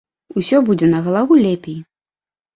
Усё будзе на галаву лепей.